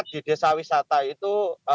di desa wisata itu